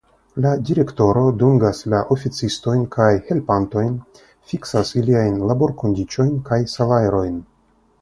La Direktoro dungas la oficistojn kaj helpantojn, fiksas iliajn laborkondiĉojn kaj salajrojn.